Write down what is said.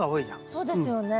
そうですよね。